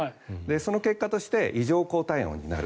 その結果として異常高体温になる。